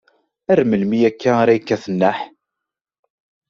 Ar melmi akka ara yekkat nneḥ?